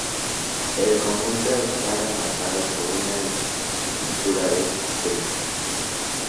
El conjunto está rematado por una escultura de Jesucristo.